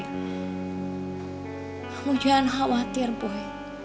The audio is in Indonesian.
kamu jangan khawatir boy